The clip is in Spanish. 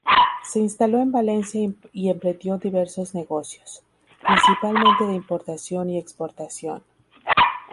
Se instaló en Valencia y emprendió diversos negocios, principalmente de importación y exportación.